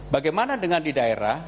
bagaimana dengan di daerah